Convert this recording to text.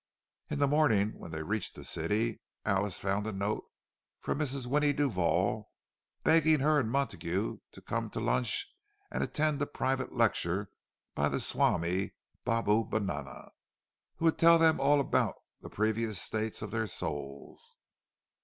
In the morning, when they reached the city, Alice found a note from Mrs. Winnie Duval, begging her and Montague to come to lunch and attend a private lecture by the Swami Babubanana, who would tell them all about the previous states of their souls.